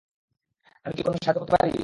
আমি কি কোনো সাহায্য করতে পারি?